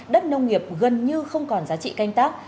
đất nông nghiệp gần như không còn giá trị canh tác